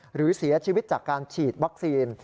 หรือเสียชีวิตจากการฉีดวัคซีน